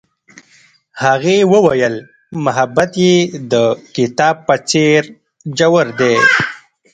هغې وویل محبت یې د کتاب په څېر ژور دی.